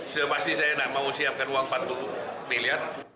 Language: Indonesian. sudah pasti saya tidak mau siapkan uang empat puluh miliar